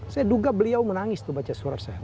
saya duga beliau menangis tuh baca surat saya